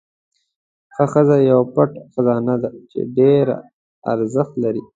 ښه ښځه یو پټ خزانه ده چې ډېره ارزښت لري.